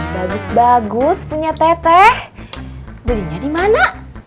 bagus bagus punya teteh belinya dimana